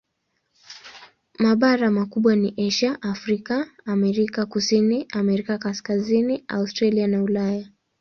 Mabara makubwa ni Asia, Afrika, Amerika Kusini na Amerika Kaskazini, Australia na Ulaya.